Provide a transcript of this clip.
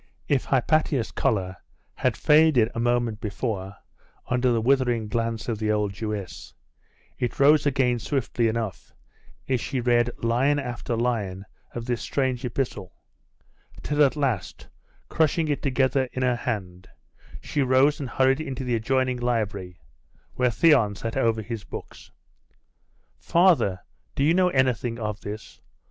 '.... If Hypatia's colour had faded a moment before under the withering glance of the old Jewess, it rose again swiftly enough, as she read line after line of this strange epistle; till at last, crushing it together in her hand, she rose and hurried into the adjoining library, where Theon sat over his books. 'Father, do you know anything of this?